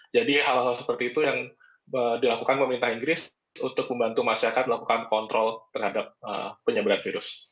jadi hal hal seperti itu yang dilakukan pemerintah inggris untuk membantu masyarakat melakukan kontrol terhadap penyebaran virus